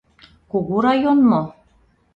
Кугу район мо?